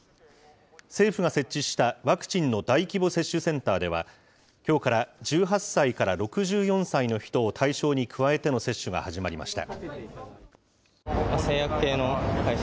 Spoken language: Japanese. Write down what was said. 政府が設置したワクチンの大規模接種センターでは、きょうから１８歳から６４歳の人を対象に加えての接種が始まりました。